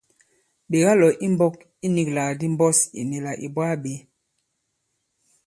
Ɓè kalɔ̀ i mbɔ̄k i nīglàk ndi mbɔs ì nì là ì bwaa bě.